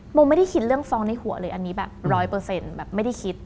ผมไม่ได้คิดเรื่องฟ้องในหัวเลยอันนี้แบบ๑๐๐แบบไม่ได้คิด